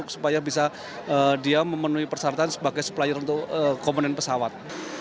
supaya bisa dia memenuhi persyaratan sebagai supplier untuk komponen pesawat